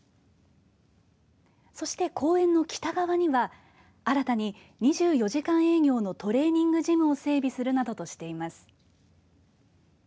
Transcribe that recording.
そして、公園の北側には新たに２４時間営業のトレーニングジムを整備するなどとしています。